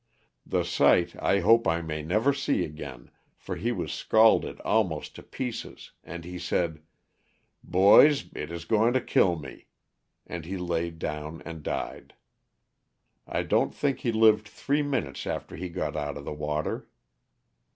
The sight I hope I may never see again for he was scalded almost to pieces, and he said, "boys, it is going to kill me,'' and he laid down and died. I don't think he lived three minutes after he got out of the water.